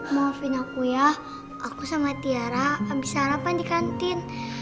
maafin aku ya aku sama tiara abis sarapan di kantin